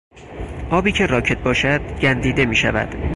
آبی که راکد باشد گندیده میشود.